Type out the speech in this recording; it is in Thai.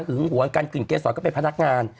หวงกันกลิ่นเกษรก็เป็นพนักงาน